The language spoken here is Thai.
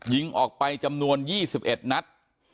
ยิงออกไปจำนวน๒๑นัด